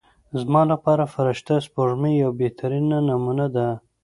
زما لپاره فرشته سپوږمۍ یوه بهترینه نمونه ده.